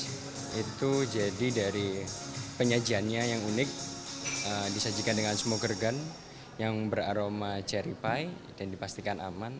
beauty and the beast itu jadi dari penyajiannya yang unik disajikan dengan smoker gun yang beraroma cherry pie dan dipastikan aman